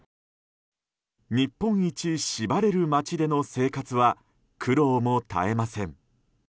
日本一しばれる町での生活は苦労も絶えません。